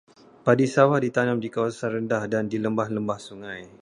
Padi sawah ditanam di kawasan rendah dan di lembah-lembah sungai.